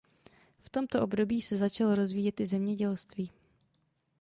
V tomto období se začalo rozvíjet i zemědělství.